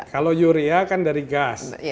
kalau yuria kan dari gas